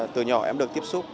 từ nhỏ em được tiếp xúc